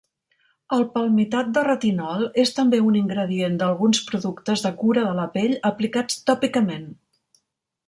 El palmitat de retinol és també un ingredient d'alguns productes de cura de la pell aplicats tòpicament.